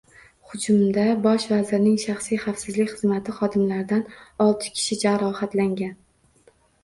Hujumda bosh vazirning shaxsiy xavfsizlik xizmati xodimlaridan olti kishi jarohatlangan